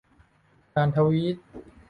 การทวีต